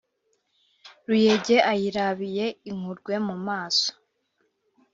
ruyege ayirabiye inkurwe mu maso